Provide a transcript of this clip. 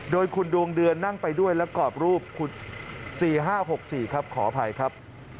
โดยคุณดวงเดือนนั่งไปด้วยแล้วกอดรูปคุณสี่ห้าหกสี่ครับขออภัยครับ